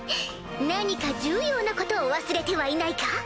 何か重要なことを忘れてはいないか？